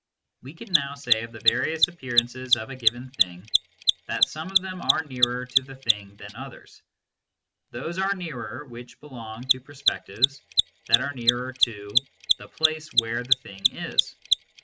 We can now say of the various appearances of a given thing that some of them are nearer to the thing than others ; those are nearer which belong to perspectives that are nearer to " the place where the thing is."